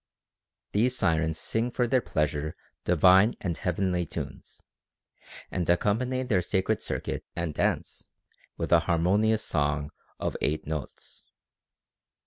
These Sirens sing for their pleasure divine and heavenly tunes, and accompany their sacred circuit and dance with an harmonious song of eight notes.